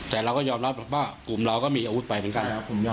แต่เราก็ยอมรับว่ากลุ่มมีอาวุธมีไปกัน